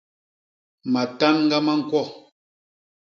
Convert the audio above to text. Matanga ma ñkwo.